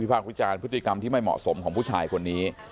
ภาควิจารณ์พฤติกรรมที่ไม่เหมาะสมของผู้ชายคนนี้